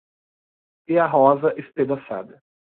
E a rosa espedaçada.